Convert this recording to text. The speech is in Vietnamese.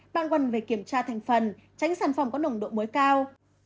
bạn cần phải kiểm tra thành phần tránh sản phẩm có nồng độ muối cao